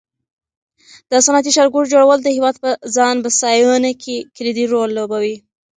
د صنعتي ښارګوټو جوړول د هېواد په ځان بسیاینه کې کلیدي رول لوبوي.